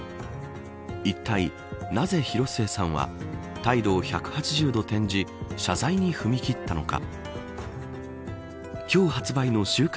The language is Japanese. いったい、なぜ広末さんは態度を１８０度転じ謝罪に踏み切ったのか。